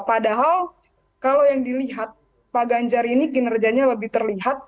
padahal kalau yang dilihat pak ganjar ini kinerjanya lebih terlihat